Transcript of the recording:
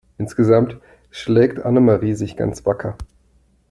Insgesamt schlägt Annemarie sich ganz wacker.